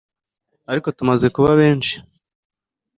Ariko tumaze kuba benshi